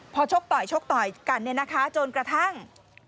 พอชกต่อยชกต่อยกันเนี่ยนะคะจนกระทั่ง